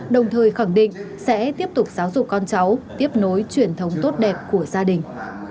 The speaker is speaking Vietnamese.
đồng thời khẳng định sẽ tiếp tục giáo dục con cháu tiếp nối truyền thống tốt đẹp của gia đình